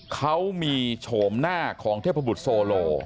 เขามีโฉมหน้าของเทพบุตรโซโล